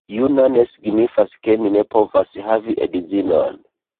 Juna ne signifas ke mi ne povas havi edzinon